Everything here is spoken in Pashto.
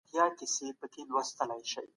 دغه سړي هم د هغې په بریا خوښي وښوده.